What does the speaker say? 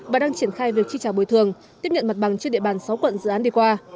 và đang triển khai việc chi trả bồi thường tiếp nhận mặt bằng trên địa bàn sáu quận dự án đi qua